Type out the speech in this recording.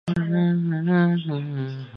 以上泛称谢系以上为新未来智库成员。